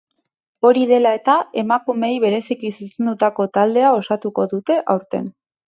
Hori dela eta, emakumeei bereziki zuzendutako taldea osatuko dute aurten.